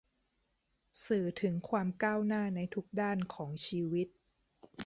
สื่อถึงความก้าวหน้าในทุกด้านของชีวิต